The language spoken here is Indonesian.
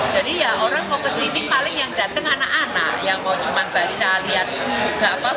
jadi ya orang mau kesini paling yang datang anak anak yang mau cuma baca lihat